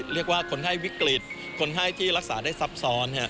เรียกว่าคนให้วิกฤตคนไข้ที่รักษาได้ซับซ้อน